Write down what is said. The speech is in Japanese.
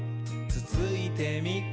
つついてみ？」